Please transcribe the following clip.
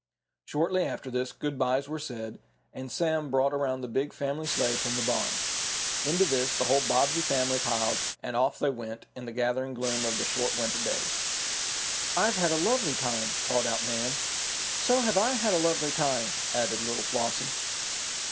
Shortly after this, good bys were said, and Sam brought around the big family sleigh from the barn. Into this the whole Bobbsey family piled, and off they went, in the gathering gloom of the short winter day. "I've had a lovely time!" called out Nan. "So have I had a lovely time," added little Flossie.